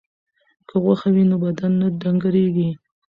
که غوښه وي نو بدن نه ډنګریږي.